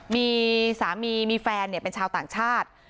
มีสามีมีแฟนเป็นชาวต่างชาติ